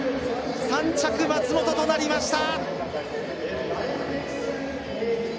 ３着、松本となりました。